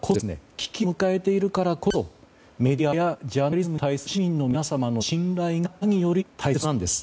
危機を迎えているからこそメディアやジャーナリズムに対する市民の皆様の信頼が、何より大切なんです。